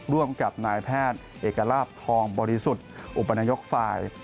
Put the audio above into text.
ร่วมกับนายแพทย์เอกลาบทองบริสุทธิ์อุปนายกฝ่าย